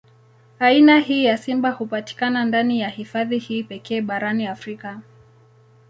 Aina hii ya simba hupatikana ndani ya hifadhi hii pekee barani Afrika.